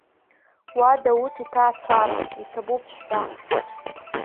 Уа, Дауҭ иҭаацәара! Иҭабуп шәҳәа.